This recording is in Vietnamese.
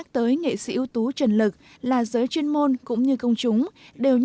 chúc mừng chúc mừng em